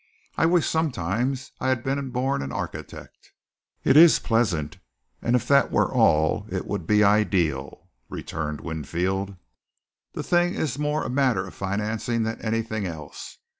I wish sometimes I had been born an architect." "It is pleasant and if that were all it would be ideal," returned Winfield. "The thing is more a matter of financing than anything else.